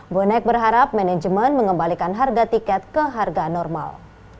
bonek berharap manajemen mengembalikan harga tiket ke harga normal